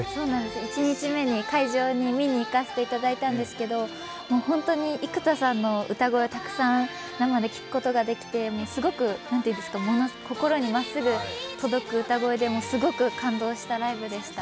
１日目に会場に見に行かせていただいたんですけど、本当に生田さんの歌声をたくさん生で聞くことができて、すごく心にまっすぐ届く歌声ですごく感動したライブでした。